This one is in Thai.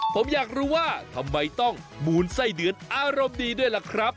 ผมอยากรู้ว่าทำไมต้องมูลไส้เดือนอารมณ์ดีด้วยล่ะครับ